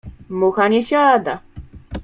Mucha nie siada.